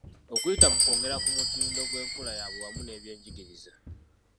Okuyita mu kwongera ku mutindo gw’enkula yaabwe wamu n’ebyenjigiriza.